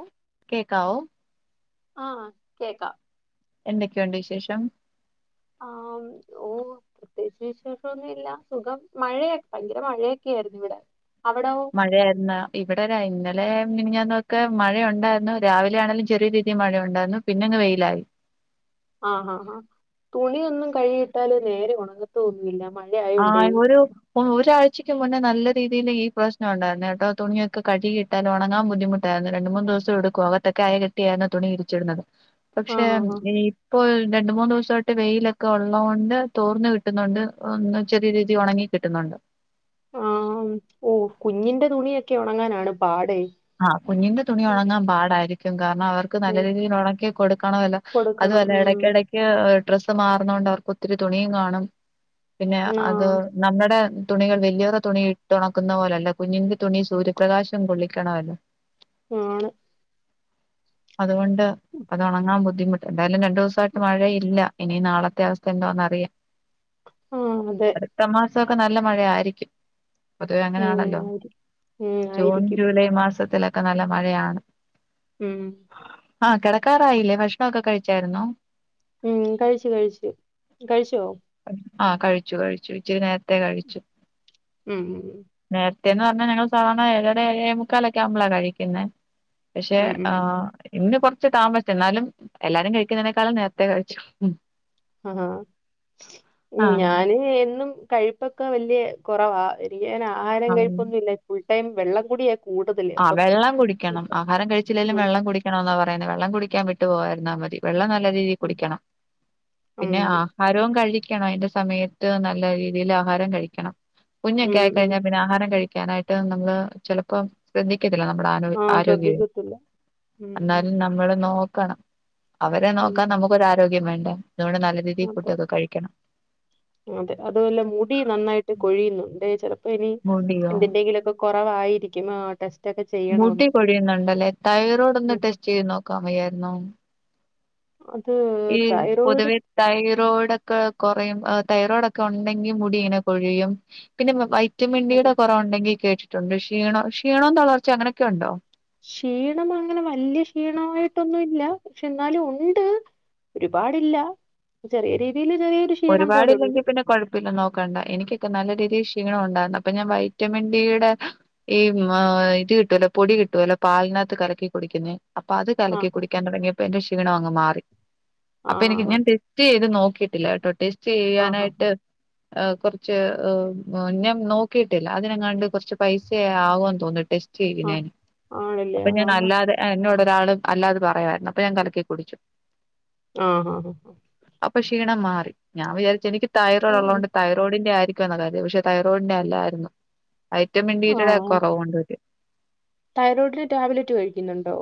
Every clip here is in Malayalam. ഓ കേക്കാവോ? ആഹ് കേക്കാം. എന്തൊക്കെയുണ്ട് വിശേഷം? ആം ഓഹ് പ്രത്യേയിച്ച് വിശേഷോന്നു ഇല്ല സുഖം മഴയ ഭയങ്കര മഴയൊക്കെയിരുന്നു ഇവിടെ അവിടോ? മഴയായിരുന്നോ ഇവിടെ രാ ഇന്നലെ മിനിഞ്ഞാന്നൊക്കെ മഴയൊണ്ടാരുന്നു രാവിലെ ആണെലും ചെറ്യേ രീതീ മഴയൊണ്ടാരുന്നു പിന്നെങ്ങ് വെയിലായി. ആഹ് ഹാ ഹാഹ് തുണിയൊന്നും കഴ്കിയിട്ടാലും നേരെ ഒണങ്ങത്തൊന്നുല്ല മഴ ആഹ് ഒരു ഒരാഴ്ചക്ക് മുന്നേ നല്ല രീതിയിൽ ഈ പ്രശ്നം ഉണ്ടായിരുന്നേട്ടോ തുണിയൊക്കെ കഴ്കി ട്ടാല് ഒണങ്ങാൻ ബുദ്ധിമുട്ടായിരുന്നു രണ്ടു മൂന്ന് ദിവസെട്ക്കും അകത്തൊക്കെ അയകെട്ടിയായിരുന്നു തുണി വിരിച്ചിടുന്നത്. ആ പക്ഷെ ഹാ ഹാ ഈ ഇപ്പോ രണ്ട് മൂന്ന് ദെവുസായിട്ട് വെയിലൊക്കെ ഉള്ളോണ്ട് തോർന്ന് കിട്ട്ന്നുണ്ട് ഒന്ന് ചെറിയ രീതി ഒണങ്ങി കിട്ടുന്നൊണ്ട്. ആഹ് ഉം ഉ കുഞ്ഞിന്റെ തുണിയൊക്കെ ഒണങ്ങാനാണ് പാടെ. ആഹ് കുഞ്ഞിന്റെ തുണി ഒണങ്ങാൻ പാടായിരിക്കും കാരണം അവർ ക്ക് നല്ല ഉം, രീതീൽ ഒണക്കി കൊട്ക്കണവല്ലോ കൊടുക്കണം അതുമല്ല ഉം, എടയ്ക്കെടക് ക്ക് ഡ്രസ്സ് മാറുന്നൊണ്ട് അവർക്ക് ഒത്തിരി തുണീം കാണും പിന്നെ ആ അത് നമ്മടെ തുണികൾ വല്ല്യോരേ തുണി ഇട്ട് ഒണക്കുന്ന പോലല്ല കുഞ്ഞിന്റെ തുണി സൂര്യപ്രകാശം കൊള്ളിക്കണല്ലോ. ആണ് അത് കൊണ്ട് അത് ഒണങ്ങാൻ ബുദ്ധിമുട്ട് എന്തായാലും രണ്ടു ദിവസായിട്ട് മഴയില്ല. ഇനി നാളത്തെ അവസ്ഥ എന്തൊന്ന് അറിയാ ആഹ് അതെ [unintelligible] മാസൊക്കെ നല്ല മഴയായിരിക്കും പൊതുവെ ഉം, അങ്ങനാണല്ലോ ആയിരി- ഉം, ജൂൺ ആയിരിക്കും ജൂലൈ മാസത്തിലൊക്കെ നല്ല മഴയാണ് ഉം ആഹ് കിടക്കാറായില്ലേ ഭക്ഷണോക്കെ കഴിച്ചായിരുന്നൊ ഉം കഴിച്ച് കഴിച്ച് കഴിച്ചോ ആഹ് കഴിച്ചു കഴിച്ചു ഇച്ചിരി നേരത്തെ കഴിച്ചു ഉം ഉം ഉം നേരത്തേന്ന് പറഞ്ഞാ ഞങ്ങള് സാധാരണ ഏഴര ഏഴേമുക്കാലൊക്കെ ആവ്മ്പളാ കഴിക്കുന്നേ പക്ഷെ ഉം ഉം ഉം. ആഹ് ഇന്ന് കൊറച്ച് താമസിച്ച് എന്നാലും എല്ലാരും കഴിക്കുന്നതിനേക്കാളും നേരത്തെ കഴിച്ചു ആഹാ ആഹ് ഞാന് എന്നും കഴിപ്പൊക്കെ വല്യ കുറവാ [unintelligible] ആഹാരം ആഹ് കഴിപ്പൊന്നുല്ല ഫുൾ ടൈം വെള്ളം കുടിയ ആഹ് വെള്ളം കുടിക്കണം ആഹാരം കഴിച്ചില്ലെലും ഉം വെള്ളം കുടിക്കണം എന്നാ പറയുന്നത് വെള്ളം കുടിക്കാൻ വിട്ടു പോവാതിരുന്നാ മതി വെള്ളം നല്ല രീതിയിൽ ഉം കുടിക്കണം പിന്നെ ഉം ആഹ് ആരവും കഴിക്കണം അയ്ന്റെ സമയത്ത് നല്ല രീതിയിൽ ആഹാരം കഴിക്കണം കുഞ്ഞൊക്കെ ഉം ഉം ആയിക്കഴിഞ്ഞാൽ പിന്നെ ആഹാരം കഴിക്കാനായിട്ട് നമ്മള് ചിലപ്പം ശ്രദ്ധി [unintelligible] നമ്മുടെ ആരോ ആ ആരോഗ്യവേ ശ്രദ്ധിക്കത്തില്ല ഉം എന്നാലും നമ്മള് നോക്കണം അവരെ ഉം നോക്കാൻ നമുക്കൊരു ആരോഗ്യം വേണ്ട അതുകൊണ്ട് നല്ല ഉം രീതിയിൽ അതെ ഫുഡൊക്കെ കഴിക്കണം അതെ അതുവല്ല മുടി നന്നായിട്ട് കൊഴിയുന്നുണ്ട് ചെലപ്പോ ഇനി മുടിയോ എന്തിൻ്റെങ്കിലും ഒക്കെ കുറവായിരിക്കും അഹ് ടെസ്റ്റ് ഒക്കെ മുടി ചെയ്യണോന്ന് കൊഴിയുന്നുണ്ടല്ലേ തൈറോയ്ഡ് ഒന്ന് ഉം ടെസ്റ്റ് ചെയ്ത് നോക്കാൻ വയ്യാരുന്നോ അത് ഈ തൈറോയിഡ് പൊതുവേ തൈറോയിഡ് ഒക്കെ കൊറയും തൈറോയിഡൊക്കെ ഒണ്ടെങ്കി മുടി ഇങ്ങനെ കൊഴിയും പിന്നെ വൈറ്റമിൻ അതെ ഡിയുടെ കുറവ് ഉണ്ടെങ്കിൽ കേട്ടിട്ടുണ്ട് ക്ഷീണോ ക്ഷീണവും തളർച്ച അങ്ങനൊക്കെ ഉണ്ടോ ക്ഷീണം അങ്ങനെ വല്ല്യ ക്ഷീണമായിട്ടൊന്നും ഇല്ല പക്ഷെ എന്നാലും ഒണ്ട് ഒരുപാടില്ല ചെറിയ രീതിൽ ചെറിയൊരു ക്ഷീണം പോലുണ്ട് ഒരുപാടില്ലെങ്കിൽ പിന്നെ കൊഴ [unintelligible] നോക്കണ്ട എനിക്കൊക്കെ നല്ല രീതിയിൽ ക്ഷീണം ഉണ്ടായിരുന്നു അപ്പൊ ഞാൻ വൈറ്റമിൻ ഡിടെ ഈ ആഹ് ഇത് കിട്ടുവല്ലോ പൊടി കിട്ടുവലോ പാലിനാത്ത് കലക്കി കുടിക്കുന്നേ അപ്പൊ അത് ആ കലക്കി ഹാ കുടിക്കാൻ തുടങ്ങിയപ്പോ എന്റെ ക്ഷീണം അങ്ങ് മാറി ആ അപ്പൊ എനിക്ക് ഞാൻ ടെസ്റ്റ് ചെയ്ത് നോക്കിട്ടില്ല കേട്ടോ ടെസ്റ്റ് ആ ഹാ ചെയ്യാനായിട്ട് അഹ് കുറച്ച് ഞാൻ നോക്കിയിട്ടില്ല അതിനെങ്ങാണ്ട് കുറച്ച് പൈസ ആകോന്ന് തോന്ന് ടെസ് ചെയ്യും ഹാ ആ ഞാൻ ആണല്ലേ അപ്പൊ ആ ഞാൻ അല്ലാതെ ആഹ് എന്നോടരാള് അല്ലാത പറുമായിരുന്നു അപ്പൊ ഞാൻ കലക്കി കുടിച്ചു ആഹ് ഹാ ഹാ അപ്പൊ ക്ഷീണം മാറി ഞാൻ വിചാരിച്ച് എനിക്ക് തൈറോഡ് ഉള്ളത് ഹാ കൊണ്ട് തൈ തൈറോഡിന്റെ ആരിക്കുംന്ന കാരുതി പക്ഷെ തൈറോഡിന്റെ അല്ലായിരുന്നു വെറ്റമിൻ ഡീയുടെ കുറവുണ്ട് തൈറോഡില് ടാബ്ലറ്റ് കഴിക്കുന്നുണ്ടോ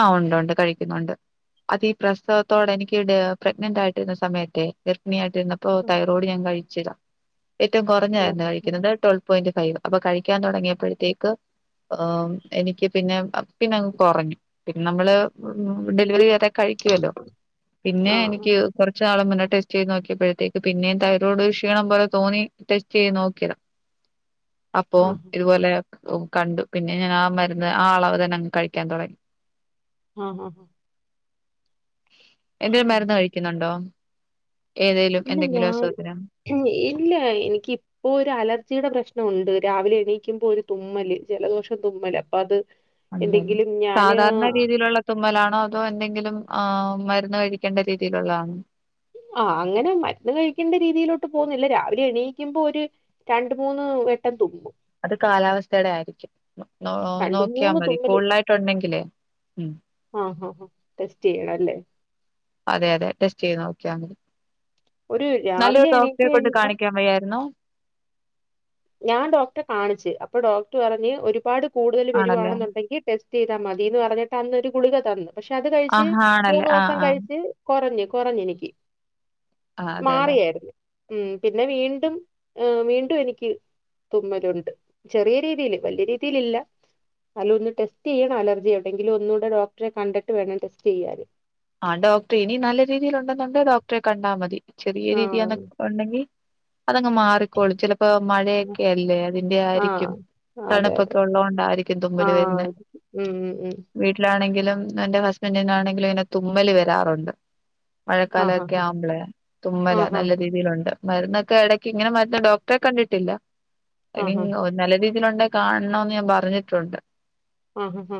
ആഹ് ഒണ്ട് ഒണ്ട് കഴിക്കുന്നുണ്ട് അത് ഈ പ്രസവത്തോടെ എനിക്ക് പ്രെഗ്നന്റ് ആയിട്ടിരുന്ന സമയത്തെ ഗർഭിണിയായിട്ട് [unintelligible] പ്പോ ഓ തൈറോയ്ഡ് ഞാൻ കഴിച്ചത ഏറ്റവും ഓ, കുറഞ്ഞായിരുന്നു കഴിക്കുന്നത് [unintelligible] പോയിന്റ് ഫൈവ് അപ്പൊ കഴിക്കാൻ തുടങ്ങിയപ്പോഴത്തേക്ക് എഹ് എനിക്ക് പിന്നെ പിന്നങ്ങ് കുറഞ്ഞു പിന്നെ നമ്മള് ഉം. ഡെലിവറി വരെ കഴിക്കുവല്ലോ പിന്നെ ആ എനിക്ക് കുറച്ച് നാള മുന്നെ ടെസ്റ്റ് ചെയ്ത് നോക്കിയപ്പോഴത്തേക്ക് പിന്നേ തൈറോഡ് ക്ഷീണം പോല തോന്നി ടെസ്റ്റ് ചെയ്ത് നോക്കിയതാ [inaudible] ആ അപ്പം ഇതുപോലെ കണ്ടു പിന്നെ ഞാൻ ആ മരുന്ന് ആ അളവ് തന്നെ അങ്ങ് കഴിക്കാൻ തുടങ്ങി ആഹ് ഹാ ഹാ എന്തേലും ആ. മരുന്ന് കഴിക്കുന്നുണ്ടോ ഏതെലും ഇല്ല എന്തെങ്കിലും ഞാൻ അസുഖത്തിന് ഇല്ല എനിക്ക് ഇപ്പൊ ഒരു അലർജിയുടെ പ്രശ്നംമുണ്ട് രാവിലെ എണീക്കുമ്പോ ഒരു തുമ്മല് ജലദോഷം തുമ്മല് അപ്പൊ അത് ഉണ്ടല്ലേ എന്തെങ്കിലും ഞാന് സാധാരണ രീതിയിലുള്ള തുമ്മലാണോ അതോ എന്തെങ്കിലും ആഹ് മരുന്ന് കഴിക്കേണ്ട രീതിയിലുള്ളതാണോ ആഹ് അങ്ങനെ മരുന്ന് കഴിക്കേണ്ട രീതിയിലോട്ട് പോകുന്നില്ല രാവിലെ എണീയിക്കുമ്പോ ഒരു രണ്ട് മൂന്ന് വട്ടം തുമ്മും അത് കാലാവസ്ഥയുടെ ആയിരിക്കും രണ്ട് നോക്കിയാൽ മൂന്ന് മതി തുമ്മല് കൂടുതലായിട്ട് ഉണ്ടെങ്കിലേ ഉം ആഹ് ആഹ് ടെസ്റ്റ് ചെയ്യണം അല്ലേ അതെ അതെ ടെസ്റ്റ് ചെയ്ത് നോക്കിയ ഒരു നല്ലൊരു രാവിലെ എണീറ്റ് ഡോക്ടറെ കൊണ്ട് കഴിയുമ്പം കാണിക്കാൻ വയ്യായിരുന്നോ ഞാൻ ഡോക്ടറെ കാണിച്ച് അപ്പൊ ഡോക്ടർ പറഞ്ഞ് ഒരുപാട് കൂടുതൽ ആണല്ലേ വരുവാണെന്നുണ്ടെങ്കിൽ ടെസ്റ്റ് ചെയ്താൽ മതിന്ന് പറഞ്ഞിട്ട് അന്നൊരു ഗുളിക തന്നു പക്ഷെ അത് കഴിച്ച് ആഹ് ആണല്ലേ മൂന്ന് ആഹ് ദിവസം ആഹ് കഴിച്ച് ടെ കൊറഞ്ഞ് കൊറഞ്ഞ് എനിക്ക് ആഹ് അതെല്ലേ മാറിയായിരന്ന്. ഉം പിന്നെ വീണ്ടും അ വീണ്ടും എനിക്ക് തുമ്മല് ഉണ്ട് ചെറിയ രീതിൽ വലിയ രീതിൽ ഇല്ല. അല്ല ഒന്ന് ടെസ്റ്റ് ചെയ്യണം അലർജി ഉണ്ടെങ്കിൽ ഒന്നൂടെ ഡോക്ടറെ കണ്ടിട്ട് വേണം ടെസ്റ്റ് ചെയ്യാന് ആ ഡോക്ടറെ ഇനി നല്ല രീതിയിൽ ഉണ്ടെന്നുണ്ടേ ഡോക്ടറെ കണ്ടാമതി ചെറിയ രീതിയന്നെ ആഹ് ഉണ്ടെങ്കി അതങ്ങ് മാറിക്കോളൂ ചെല ഇപ്പ മഴയൊക്കെ അല്ലേ അതിന്റെ ആഹ് ആയിരിക്കും അതെ അതെ തണുപ്പൊക്കെ ഒള്ള ണ്ടായിരിക്കും തുമ്മല് ആഹ് വരുന്നേ ഉം ഉം ഉം. വീട്ടിലാണെങ്കിലും എന്റെ ഹസ്ബൻഡിനാണെങ്കിലും ഇങ്ങനെ തുമ്മല് വരാറുണ്ട്. ആഹ് മഴക്കാലൊക്കെ ഹാ ആമ്പ്ളെ ഹാ തുമ്മല് ആഹ് ഹാ നല്ല രീതിയിലൊണ്ട്. മരുന്നൊക്കെ എടക്ക് ഇങ്ങനെ മരുന്ന് ഡോക്ടറെ കണ്ടിട്ടില്ല ഹാ ആഹ് ഇനി ഹാ ഹാ നല്ല രീതിൽ ഒണ്ടങ്കി കാണണൊന്ന് ഞാൻ പറഞ്ഞിട്ടൊണ്ട്. ആഹ്ആഹ്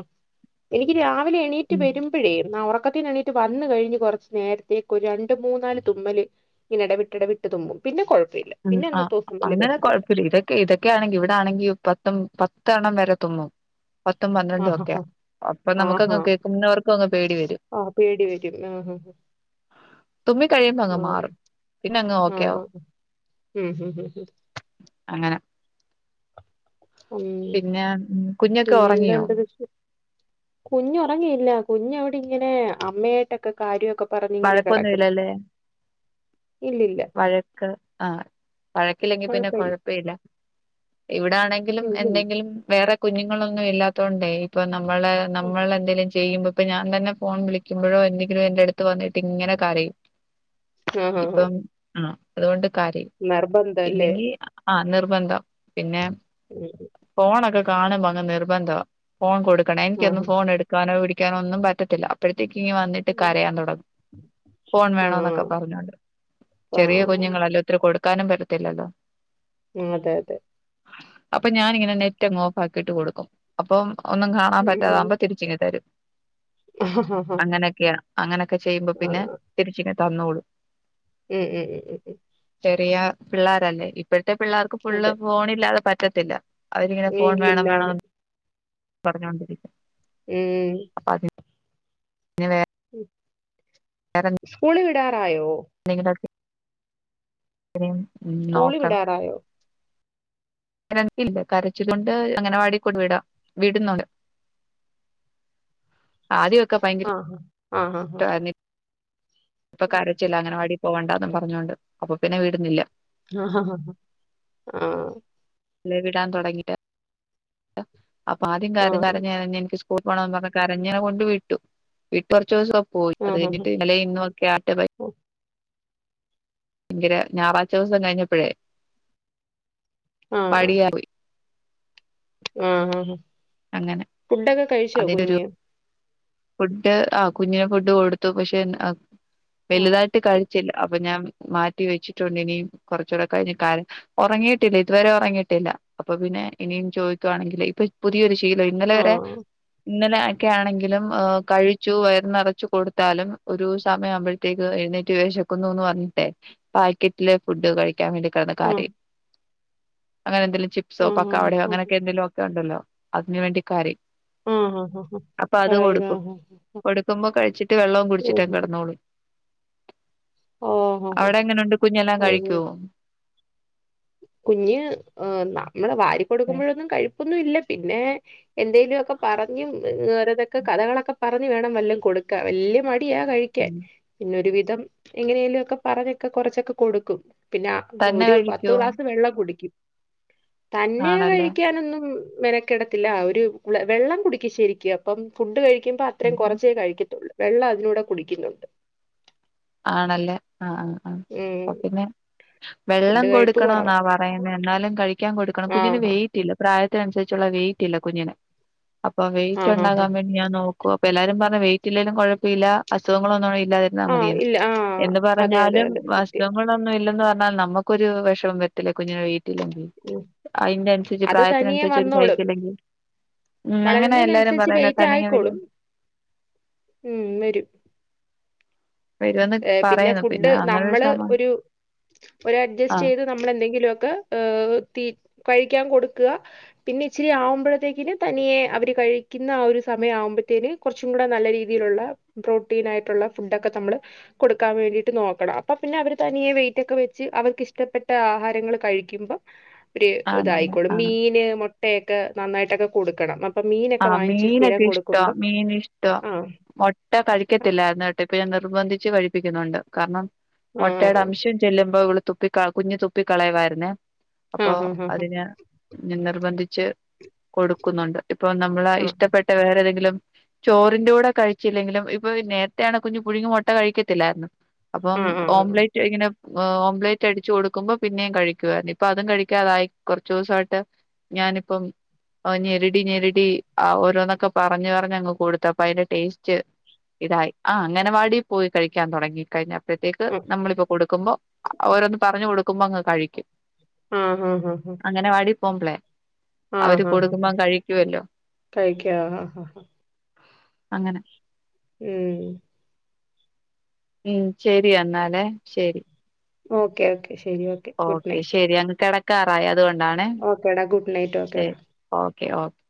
എനിക്ക് രാവിലെ എണീറ്റ് ഉം വരും മ്പഴേ ന്നാ ഒറക്കത്തിന്ന് എണീറ്റ് വന്ന് കഴിഞ്ഞ് കൊറച്ച് നേരത്തേക്ക് ഒരു രണ്ട് മൂന്നാല് തുമ്മല് ഇങ്ങനെ എടവിട്ട് എടവിട്ട് തുമ്മും പിന്നെ കൊഴപ്പം ഇല്ല പിന്നെ അന്നത്തെ ദിവസം വലിയ പ്രശ്നം ഇല്ല. ഇതൊക്കെയാണെങ്കി ഇവിടെ ആണെങ്കി പത്തും പത്തെണ്ണം വരെ തുമ്മും പത്തും പന്ത്രണ്ടും ആഹ് ഒക്കെയ ആഹ് അപ്പം ആഹ് നമ്മുക്കങ്ങ് ആഹ് കേക്കുന്നവർക്കും അങ്ങ് പേടി വരും. ആഹ് പേടി വരും ആഹ് തുമ്മി കഴിയുമ്പോ അങ്ങ് ആഹ് മാറും പിന്നെ അങ്ങ് ഓക്കെയാവും. ഉംഉംഉം.. അങ്ങനെ ഒമ്മി പിന്നെ ഉം കുഞ്ഞൊക്കെ പിന്നെ എന്താ ഉറങ്ങിയോ ഉണ്ട് വിശേഷ? കുഞ്ഞുറങ്ങിയില്ല കുഞ്ഞവിടെ ഇങ്ങനെ അമ്മയായിട്ടൊക്കെ കാര്യോക്കെ പറഞ്ഞിങ്ങനെ കിടക്കന്നു വഴക്കൊന്നുമില്ലല്ലേ ഇല്ലില്ല. വഴക്ക് ആ വഴക്കില്ലെങ്കി പിന്നെ കുഴപ്പമില്ല കൊഴപ്പ ഇല്ല. ഇവിടാണെങ്കിലും ഇല്ലില്ല എന്തെങ്കിലും വേറെ കുഞ്ഞുങ്ങളൊന്നും ഇല്ലാത്തോണ്ടേ ഇപ്പൊ നമ്മുളെ നമ്മളെന്തെങ്കിലും ചെയ്യുമ്പോ ഇപ്പൊ ഞാൻ തന്നെ ഫോൺ വിളിക്കുമ്പോഴോ എന്തെങ്കിലും എന്റെ അടുത്ത് വന്നിട്ട് ഇങ്ങനെ കരയും. ആഹ് ആഹ്. ആഹ് അതുകൊണ്ട് കാരയും നിർബന്ധം അല്ലേ ഇല്ലെങ്കിൽ ആഹ് നിർബന്ധം പിന്നെ ഉം ഫോണൊക്കെ കാണുമ്പോ അങ്ങ് നിർബന്ധ ഫോൺ കൊടുക്കണെ എനിക്കൊന്ന് ആഹ് ഫോൺ എടുക്ക് ക്കാനോ പിടിക്കാനോ ഒന്നും പറ്റത്തില്ല അപ്പോഴത്തേക്കി ങ്ങ് വന്നി ഉം. ഫോൺ വേണോന്നൊക്കെ പറഞ്ഞോണ്ട് ചെറിയ ആഹ് കുഞ്ഞുങ്ങളല്ലേ ഒത്തിരി കൊടുക്കാനും പറ്റത്തില്ലല്ലോ. ഉം അതെ അതെ.. അപ്പം ഞാനിങ്ങനെ നെറ്റ് അങ്ങ് ഓഫ് ആക്കിട്ട് കൊടുക്കും അപ്പം ഒന്നും കാണാൻ ഉം ഉം പറ്റാതാമ്പോം തിരിച്ചിങ്ങി തരും ആ ഹാ ഹാ ഹാ. അങ്ങനൊക്കെയ അങ്ങനെ ക്കെ ചെയ്യുമ്പോ ആ. പിന്നെ തിരിച്ച് ഇങ്ങ് തന്നോളും. ഉം ഉം ഉം.. ചെറിയ പിള്ളേരല്ലേ ഇപ്പഴത്തെ പിള്ളേർക്ക് ഫുള്ള് അതെ ഫോണ്ഇല്ലാതെ പറ്റത്തില്ല. അവരിങ്ങനെ ഫോൺ വേണം വീട്ടിലില്ലാണ് വേണം പറഞ്ഞൊണ്ടിരിക്കും. ഉംഉംഉം... ആദ്യാം.. ഇഞ്ഞിവേ ഉം സ്കൂളി വിടാറായോ? നികിടൊകെ ഇതരിം ഉം സ്കൂളിൽ നോക്കണം.. വിടാറായോ രണ്ട് യില്ല. കരചിലൊണ്ട് അങ്ങനവാടി കൊണ്ട് വിടാം. വീട്ന്നോല്.. ആദ്യഒക്കെ ഭയങ്കര ആ ആ ആ ആ ആ ഇട്ടാര്ന്ന്. ഇപ്പൊ കരച്ചില. അങ്ങനവാടിപ്പോവണ്ടന്നും പറഞ്ഞോണ്ട്. അപ്പൊ പിന്നെ വീട്ന്നില്ല. ഹഹ ഹാ ആഹ് വി വിടാൻ തൊടങ്ങീട്ട്. അപ്പൊ ആദ്യം ആ കരഞ്ഞു കരഞ് എനിക്ക് സ്ക്കൂ കുപൊണംന്ന് പറഞ് കരഞ് ഞാൻ കൊണ്ട് വിട്ടു. ഇപ്പറചീസം പോയി. ആ അത് ഹാ ഹാ കഴിഞ്ഞിട്ട് ഇന്നലെ ഇന്നു ക്യര്റ്റ് ബൈ യങ്കര ഞായറാഴ്ചീസം കഴിഞ്ഞപ്പഴേ മടിയ പോയി. ആഹ് ആ ഹാ അങ്ങനെ ഫുഡൊക്കെ കഴിച്ചോ അതിന്റെ ഒരു കുഞ്ഞ്? ഫുഡ് ആഹ് കുഞ്ഞിന് ഫുഡ് കൊടുത്തു. പഷെ ആ വലുതായിട്ട് കഴിച്ചില്ല. അപ്പൊ ഞാൻ മാറ്റിവെച്ചിട്ടുണ്ട് ഇനിം. കൊറച്ചൂടെ കഴിഞ്ഞ് കാര ഒറങ്ങീട്ടില്ല ഇതുവരെ ഒറങ്ങീട്ടില്ല. അപ്പൊ പിന്നെ ഇനിയും ചോദിക്കുവാണെങ്കില് ഇപ്പ പുതിയൊരു ശീലാ. ഇന്നലെ ആ ആ വരെ ഇന്നലെ അക്കെ ആണെങ്കിലും ഹ് കഴിച്ചു വയർന്നറച്ചു കൊടുത്താലും ഒരു സമയം ആവുമ്പഴ റ്റേക് എഴുന്നേറ്റ് വെശക്കുന്നുന്ന് പറഞ്ഞിട്ടെ പായികിറ്റിലെ ഫുഡ് കഴി കാൻ വേണ്ടി കെട്ന്ന് ആ കരയും. വേറെ എന്തേലും ചിപ് സോ ആ പക്കവടയോ ആ അങ്ങനെയൊക്കെ എന്തങ്കിലുക്കെ ഒണ്ടല്ലോ അതിന് വേണ്ടി കരയും. ഉം ഹ്ഹ് അപ്പൊ അത് കൊടുക്കും. കൊടുക്കുമ്പോ കഴിച്ചിട്ട് വെള്ളവും ഓ കുടിച്ചിട്ട് കെടന്നോളും. ഓ അവിടെ എങ്ങനുണ്ട് കുഞ്ഞെല്ലാം ഓ ഓ കഴിക്കോ? കുഞ്ഞ് ഹ് നമ്മള് വാരി കൊടുക്കുമ്പോഴൊന്നും കഴുപ്പൊന്നും ഇല്ല പിന്നെ എന്തേലുമൊക്കെ പറഞ്ഞും ഒരോന്നൊക്കെ കഥകളൊക്കെ പറഞ്ഞ് വേണം വല്ലോം കൊടുക്കാൻ വല്ല്യ മടിയ കഴി ക്കാൻ. പിന്നൊരു വിധം എങ്ങനെലുമൊക്കെ പറഞ്ഞൊക്കെ കുറച്ചൊക്കെ കൊടുക്കും. പിന്നെ അ തന്നെ ഒരു പത് കഴിക്കുവോ വെള്ളം കുടിക്കും. തന്നെ ആണല്ലേ കഴിക്കാനൊന്നും മെന കെടത്തില്ല. അവരു വെള്ളം കുടിക്കും ശരിക്ക്. അപ്പം ഫുഡ് കഴിക്കുമ്പോൾ അത്രേ കൊറച്ചേ കഴിക്കത്തുള്ളൂ. വെള്ള അതിലൂടെ കുടിക്കുന്നുണ്ട്. ആണല്ലേ ആഹ് ഹാ ഉം അപ്പ പിന്നേ വെള്ളം ഫുഡ് കഴിപ്പ് കൊടുക്കണോന്നാ കൊറവാ പറ യ എന്നാലും കഴിക്കാൻ കൊടുക്കണം. കുഞ്ഞിന് ആഹ് വെയിറ്റ്ല്ല പ്രായത്തിനനുസരിച്ചുള്ള വെയ്റ്റില്ല കുഞ്ഞിന്. പൊ ആഹ് ആഹ് ആഹ് വെയിറ്റ്ണ്ടാകാൻ വേണ്ടി ഞാൻ നോക്കുവാ. അപ്പ എല്ലാരും പർഞ്ഞ് വെയിറ്റ് ഇല്ലേലും കൊഴ്പ്പില്ല. അസുഖങ്ങളൊന്നും ആഹ് ഇല്ലാതിരുന്നാമതിന്ന്. ഇല്ല ആഹ്. എന്ത് അതെ അതെ പറഞ്ഞാലും അതെ സത്യം വാസ്തവങ്ങൾ ഒന്നും ഇല്ലെന്ന് പറഞ്ഞാലും നമക്കൊരു വെഷമം വരത്തില്ലേ. കുഞ്ഞിന് വെയ്റ്റില്ലെങ്കി. അയിന്റെ അനുസച്ച് അത് തനിയെ പ്രായത്തിനനുസരിച്ച് ഒരു വന്നോളും. വെയ്റ്റ്ല്ലെങ്കി. ഉം അങ്ങനെ എല്ലാരും വളരുന്നതിനനുസരിച്ച് പറയുന്ന വെയിറ്റ് തനിയേ ആയിക്കോളും. വരുന്ന്. ഉം വരും. വരുമെന്ന് എ പിന്നെ പറയുന്നു ഫുഡ് അങ്ങനെ നമ്മള് ശമ ഒരു ആഹ് ഒരഡ്ജസ്റ്റയ്ത് നമ്മളെന്തെങ്കിലൊക്കെ ഹ് തി കഴിക്കാൻ കൊടുക്കുക. പിന്നെ ഇച്ചിരി ആവുമ്പോഴത്തേക്കിന് തനിയെ അവര് കഴിക്കുന്ന ആ ഒരു സമയം ആവുമ്പോഴത്തേന്. കൊറച്ചുകൂടെ നല്ല രീതിയിലുള്ള പ്രോട്ടീനായിട്ടുള്ള ഫുഡൊക്കെ നമ്മള്. കൊടുക്കാൻ വേണ്ടിയിട്ട് നോക്കണം. അപ്പം പിന്നെ അവർ തനിയെ വെയിറ്റ്ക്കെ വെച്ച് അവർക്ക് ഇഷ്ടപ്പെട്ട ആഹാരങ്ങൾ കഴിക്കുമ്പോ ഒരിത് ആണല്ലേ ആയിക്കോളും. ആഹ് മീന് മുട്ടയൊക്കെ നന്നായിട്ടൊക്കെ കൊടുക്കണം. അ ആഹ് മീനൊക്കെ ഇഷ്ട്ടാ. മീൻ ഇഷ്ടാ. ആഹ് മൊ ട്ട കഴിക്കത്തില്ലായിരുന്ന് കേട്ടൊ. ഇപ്പൊ ഞാൻ നിർബന്ധിച്ച് കഴിപ്പിക്കുന്നുണ്ട്. കാരണം ആ മൊട്ടയുടെ അംശം ഇ ചെല്ലുമ്പോ ഇവള് തുപ്പി കാ കുഞ്ഞ് തുപ്പി കളയവായിരുന്നേ. ആ ആ അപ്പൊ ആ അതിന് ഞാൻ നിർബന്ധിച്ച് കൊടുക്കുന്നുണ്ട്. ഇപ്പൊ നമ്മള ആ ഇഷ്ടപ്പെട്ട വേറെ ഏതെങ്കിലും ചോറിന്റെ കൂടെ കഴിച്ചില്ലെങ്കിലും ഇപ്പൊ നേരത്തെ ആണ് കുഞ് പുഴുങ്ങിയ മൊട്ട കഴിക്കത്തില്ലായിരുന്നു. ആ അപ്പം ആ ആ ആ ആ ഓംലൈറ്റ് ഇങ്ങനെ ഓംലൈറ്റ് അടിച്ചു കൊടുക്കുമ്പോ പിന്നെയും കഴിക്കുമായിരുന്നു. ഇപ്പൊ അതും കഴിക്കാതായി കൊറച്ചോസായിട്ട്. ഞാനിപ്പം [unintelligible] ഞെരടി ആഹ് ഓരോന്നൊക്ക പറഞ് പറഞ് അങ്ങ് കൊടുത്ത്. അപ്പൊ അതിന്റെ ടേസ്റ്റ് ഇതായി ആഹ് അങ്ങനവാടി പോയി കഴിക്കാൻ തുടങ്ങി കഴിഞ്ഞ അപ്പോഴത്തേക്ക് നമ്മളിപ്പൊ കൊടുക്കുമ്പോ ഓരോന്ന് പറഞ്ഞു കൊടുക്കുമ്പോ അങ്ങ് കഴിക്കും ആ അംഗനവാടി പോംബളെ അവര് കൊടുക്കുമ്പം അങ്ങ് കഴി കഴിക്കോ ആഹ് ആഹ് അങ്ങനെ ഉം മ്മ് ശരി എന്നാലേ ശരി ഓക്കെ ഓക്കെ ശരി ഓക്കെ ഗുഡ് ഓക്കെ നൈറ്റ് ശരി അങ്ങ് കെടക്കാറായി അതുകൊണ്ടാണെ ഓക്കേടാ ഗുഡ് നൈറ്റ് ഓക്കേടാ ശരി ഓക്കെ ഓക്കെ